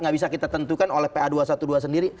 nggak bisa kita tentukan oleh pa dua ratus dua belas sendiri